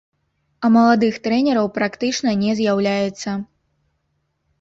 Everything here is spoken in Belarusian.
А маладых трэнераў практычна не з'яўляецца.